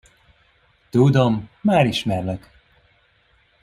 Tudom, már ismerlek.